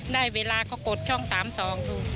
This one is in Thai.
ได้เวลาก็กดช่อง๓๒ดู